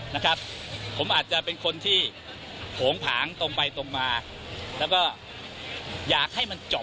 นะครับผมอาจจะเป็นคนที่โผงผางตรงไปตรงมาแล้วก็อยากให้มันจบ